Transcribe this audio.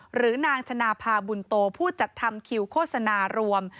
หรือนางชนะพาบุญโตผู้จัดทำคิวโฆษณารวม